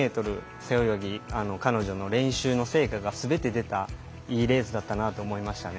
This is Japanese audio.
背泳ぎ彼女の練習の成果がすべて出たいいレースだったなと思いましたね。